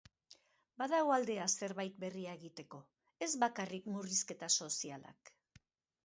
Badago aldea zerbait berria egiteko, ez bakarrik murrizketa sozialak.